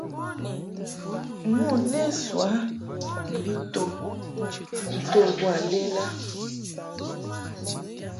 Nu lesoa mbi to nto boa lela.